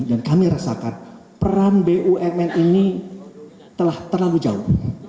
dan kami rasakan peran bumn ini telah terlalu jauh